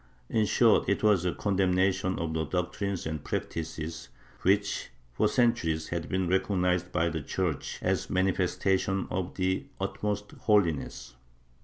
In short, it was a condemnation of the doctrines and practices which, for centuries, had been recognized by the Church as mani festations of the utmost holiness.